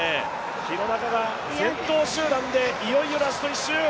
廣中が先頭集団でいよいよラスト１周。